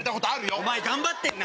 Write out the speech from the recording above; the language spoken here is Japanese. お前頑張ってるな！